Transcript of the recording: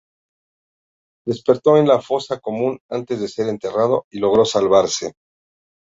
Despertó en la fosa común, antes de ser enterrado, y logró salvarse.